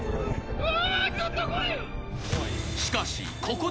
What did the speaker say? うわ！